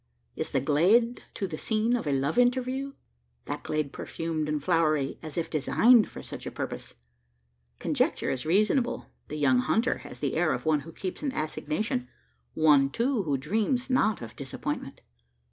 Is the glade to the scene of a love interview that glade perfumed and flowery, as if designed for such a purpose? The conjecture is reasonable: the young hunter has the air of one who keeps an assignation one, too, who dreams not of disappointment.